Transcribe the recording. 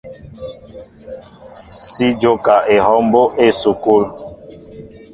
Si jóka ehɔw mbóʼ á esukul.